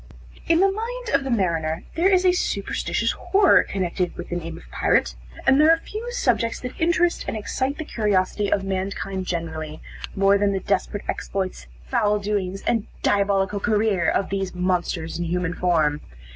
In the mind of the mariner, there is a superstitious horror connected with the name of Pirate; and there are few subjects that interest and excite the curiosity of mankind generally, more than the desperate exploits, foul doings, and diabolical career of these monsters in human form.